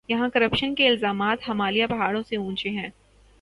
یہاں کرپشن کے الزامات ہمالیہ پہاڑوں سے اونچے ہیں۔